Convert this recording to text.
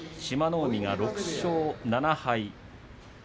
海が６勝７敗。